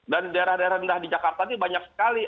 dan daerah daerah rendah di jakarta ini banyak sekali